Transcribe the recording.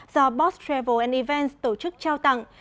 do boss travel events tổ chức trao tặng